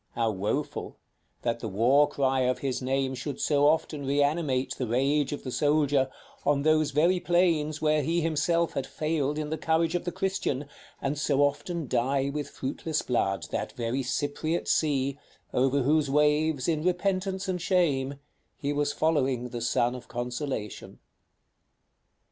how woful, that the war cry of his name should so often reanimate the rage of the soldier, on those very plains where he himself had failed in the courage of the Christian, and so often dye with fruitless blood that very Cypriot Sea, over whose waves, in repentance and shame, he was following the Son of Consolation!